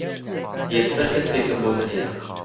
یەکسەر کەسێکم بۆ بنێرە.